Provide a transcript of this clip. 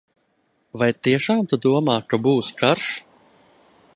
Vai tiešām tu domā, ka būs karš?